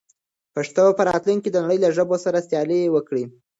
پښتو به په راتلونکي کې د نړۍ له ژبو سره سیالي وکړي.